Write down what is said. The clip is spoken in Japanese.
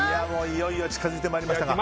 いよいよ近づいてまいりましたが。